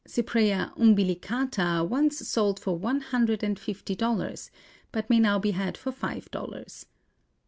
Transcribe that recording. Cypraea umbilicata once sold for one hundred and fifty dollars, but may now be had for five dollars.